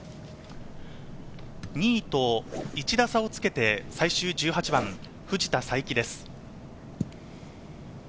２位と１打差をつけて最終１８番、藤田さいきです。